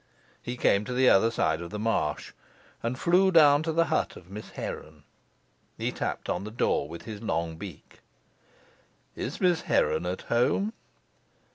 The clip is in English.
He came to the other side of the marsh, and flew down to the hut of Miss Heron. He tapped on the door with his long beak. "Is Miss Heron at home?"